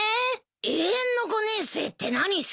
永遠の５年生って何さ。